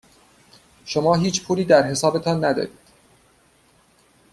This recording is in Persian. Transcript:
شما هیچ پولی در حسابتان ندارید.